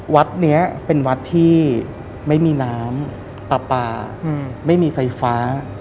วัดนี้เป็นวัดที่ไม่มีน้ำปลาปลาไม่มีไฟฟ้า